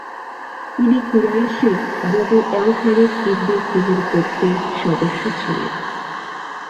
তিনি কুরাইশের Banu al Harith ibn Fihr গোত্রের সদস্য ছিলেন।